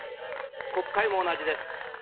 国会も同じです。